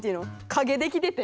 影できてて。